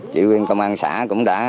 chỉ huyên công an xã cũng đã